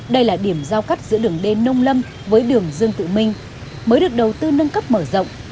đây là điểm giao cắt giữa đường d nông lâm với đường dương tự minh mới được đầu tư nâng cấp mở rộng